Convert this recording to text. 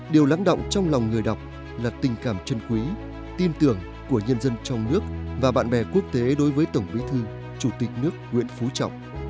điều lãng động trong lòng người đọc là tình cảm chân quý tin tưởng của nhân dân trong nước và bạn bè quốc tế đối với tổng bí thư chủ tịch nước nguyễn phú trọng